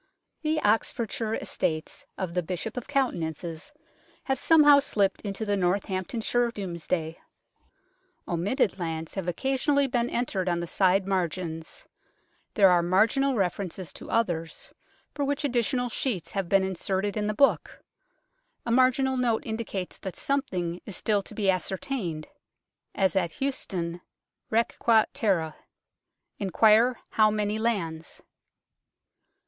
The Oxfordshire estates of the Bishop of Coutances have somehow slipped into the Northamptonshire Domesday. Omitted lands have occasionally been entered on the side margins ; there are marginal references to others, for which additional sheets have been inserted in the book ; a marginal note indicates that something is still to be ascertained, as at Huste done, rq qt terra " inquire how many lands